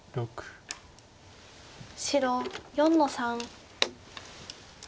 白４の三。